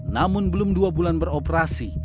namun belum dua bulan beroperasi